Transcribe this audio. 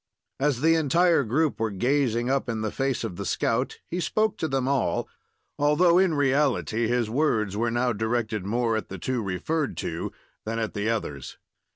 As the entire group were gazing up in the face of the scout, he spoke to them all, although, in reality, his words were now directed more at the two referred to than at the others.